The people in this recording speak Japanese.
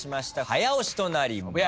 早押しとなります。